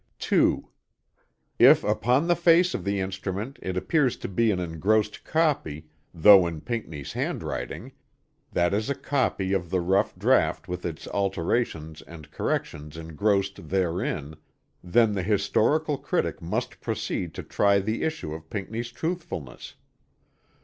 2. If upon the face of the instrument it appears to be an engrossed copy, though in Pinckney's handwriting, that is a copy of the rough draught with its alterations and corrections engrossed therein, then the historical critic must proceed to try the issue of Pinckney's truthfulness.